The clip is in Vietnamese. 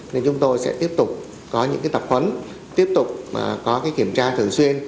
nên chúng tôi sẽ tiếp tục có những tập huấn tiếp tục có kiểm tra thường xuyên